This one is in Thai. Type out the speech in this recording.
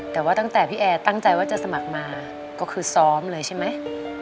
แต่ว่าตั้งแต่พี่แอร์ตั้งใจว่าจะสมัครมาก็คือซ้อมเลยใช่ไหม